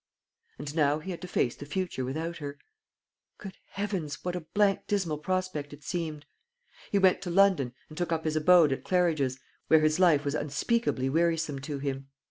And now he had to face the future without her. Good heavens! what a blank dismal prospect it seemed! He went to London, and took up his abode at Claridge's, where his life was unspeakably wearisome to him.